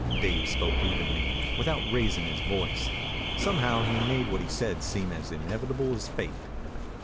Dave spoke evenly, without raising his voice. Somehow he made what he said seem as inevitable as fate.